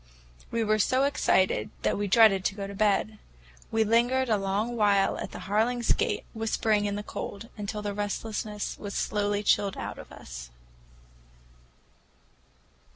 We were so excited that we dreaded to go to bed. We lingered a long while at the Harlings' gate, whispering in the cold until the restlessness was slowly chilled out of us.